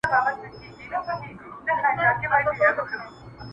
ساقي زده له صراحي مي د زړه رازکی.